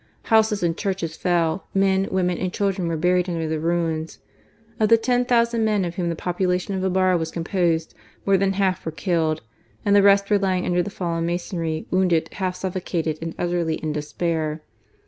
Houses and churches fell, men, women, and children were buried under the ruins. Of the 10,000 men of whom the population of Ibarra 288 GARCIA MORENO. ivas composed, more than half were killed ; and the rest were lying under the fallen masonry, wounded, half suffocated, and utterly in despair.